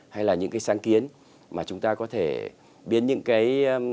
hay là những cái sáng kiến mà chúng ta có thể biến những cái